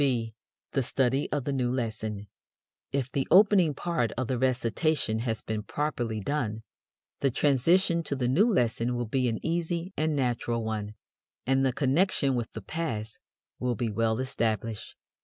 (b) The Study of the New Lesson. If the opening part of the recitation has been properly done, the transition to the new lesson will be an easy and natural one, and the connection with the past will be well established.